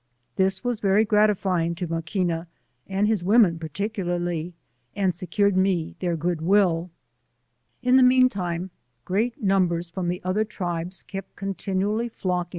This was very gratifying io Maquina, and his women particularly, and secured me their good wiiL In the mean ti'rae great numbers from the other tribes kept continually flockipg.